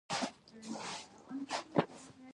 احمد که څه هم په خوله خوږ دی، خو په بوسو کې اوبه تېروي.